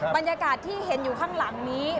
บรรยากาศที่เห็นอยู่ข้างหลังนี้